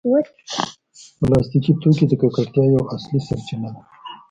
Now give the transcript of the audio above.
پلاستيکي توکي د ککړتیا یوه اصلي سرچینه ده.